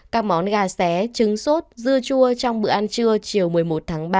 các món gà xé trứng sốt dưa chua trong bữa ăn trưa chiều một mươi một tháng ba